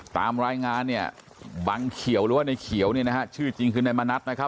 ตามรายงานเนี่ยบังเขียวหรือว่าในเขียวเนี่ยนะฮะชื่อจริงคือนายมณัฐนะครับ